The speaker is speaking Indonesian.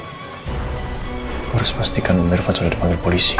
aku harus pastikan irfan sudah dipanggil polisi